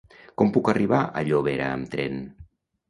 Com puc arribar a Llobera amb tren?